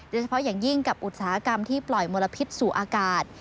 โดยเฉพาะอย่างยิ่งกับอุตสาหกรรมที่ปล่อยมลพิษสู่อากาศ